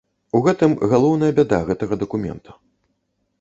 У гэтым галоўная бяда гэтага дакумента.